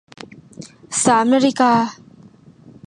สามนาฬิกา